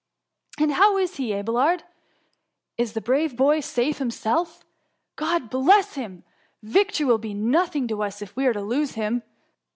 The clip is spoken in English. — And how is he, Abelard ? Is the brave boy safe himself? God bless him ! victory will be nothing to us, if we are to lose him.